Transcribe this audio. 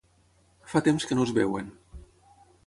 Fa temps que no es veuen.